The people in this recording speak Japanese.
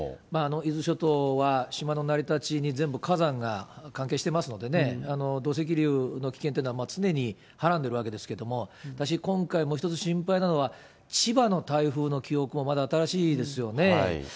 伊豆諸島は島の成り立ちに全部火山が関係していますのでね、土石流の危険っていうのは常にはらんでるわけですけれども、私、今回もう１つ心配なのは、千葉の台風の記憶もまだ新しいですよね。